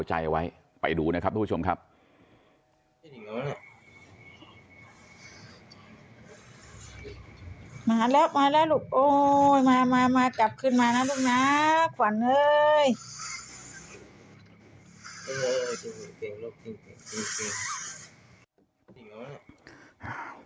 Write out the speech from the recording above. มาแล้วลูกโอ้ยมากลับขึ้นมานะลูกน้าขวัญเฮ้ย